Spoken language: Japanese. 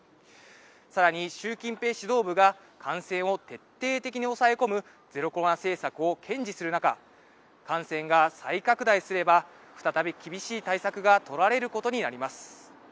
さらに、習近平指導部が感染を徹底的に抑え込むゼロコロナ政策を堅持する中感染が再拡大すれば再び厳しい対策が取られることになります。